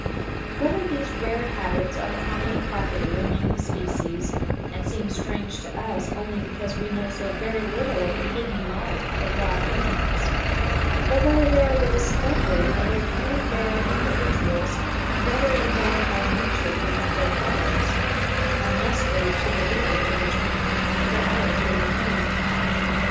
Whether these rare habits are common property among the species, and seem strange to us only because we know so very little of the hidden life of wild animals, or whether they are the discovery of a few rare individuals better endowed by nature than their fellows, I must leave to the reader to determine; for I do not know.